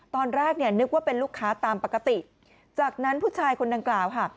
ตอนแรกเนี่ยนึกว่าเป็นลูกค้าตามปกติจากนั้นผู้ชายคนดังกล่าวค่ะ